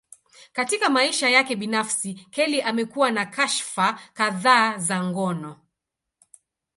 Katika maisha yake binafsi, Kelly amekuwa na kashfa kadhaa za ngono.